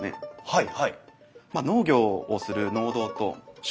はい。